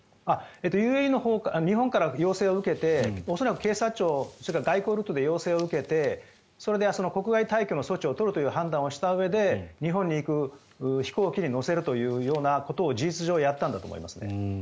日本から要請を受けて恐らく警察庁、外交ルートで要請を受けてそれで国外退去の措置を取るという判断をしたうえで日本に行く飛行機に乗せるというようなことを事実上やったんだと思います。